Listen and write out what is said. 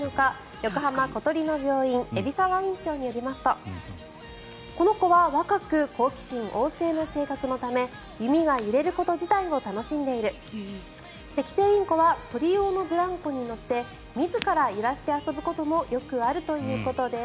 横浜小鳥の病院海老沢院長によりますとこの子は若く好奇心旺盛な性格のため弓が揺れること自体を楽しんでいるセキセイインコは鳥用のブランコに乗って自ら揺らして遊ぶこともよくあるということです。